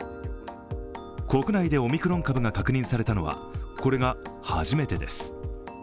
国内でオミクロン株が確認されたのはこれが初めてです。